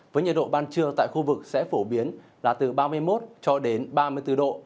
với nhiệt độ ban trưa tại khu vực sẽ phổ biến là từ ba mươi một cho đến ba mươi bốn độ